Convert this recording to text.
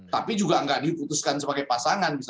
tapi juga nggak diputuskan sebagai pasangan